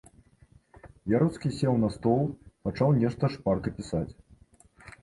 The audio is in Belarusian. Яроцкі сеў на стол, пачаў нешта шпарка пісаць.